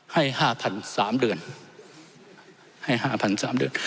ให้๕๓เดือนให้๕๐๐๓เดือน